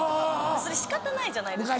それ仕方ないじゃないですか。